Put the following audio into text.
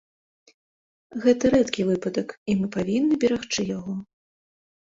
Гэта рэдкі выпадак і мы павінны берагчы яго.